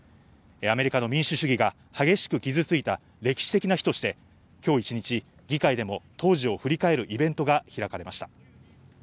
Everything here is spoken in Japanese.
アメリカの民主主義が激しく傷ついた歴史的な日として今日一日、議会でも当時を振り返るイベントが開かれました。